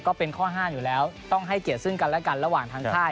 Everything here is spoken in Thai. ก็เป็นข้อห้ามอยู่แล้วต้องให้เกียรติซึ่งกันและกันระหว่างทางค่าย